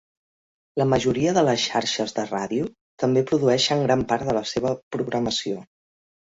La majoria de les xarxes de ràdio també produeixen gran part de la seva programació.